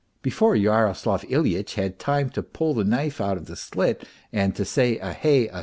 Before Yaroslav Ilyitch had time to pull the knife out of the slit and to say " A hey